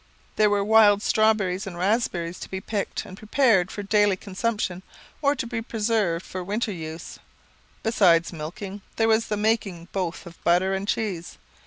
There were wild strawberries and raspberries to be picked and prepared for daily consumption, or to be preserved for winter use. Besides milking, there was the making both of butter and cheese.